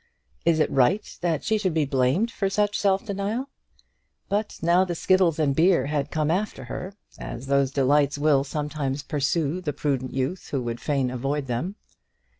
Is it right that she should be blamed for such self denial? But now the skittles and beer had come after her, as those delights will sometimes pursue the prudent youth who would fain avoid them.